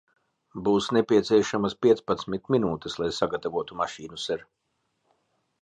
Būs nepieciešamas piecpadsmit minūtes, lai sagatavotu mašīnu, ser.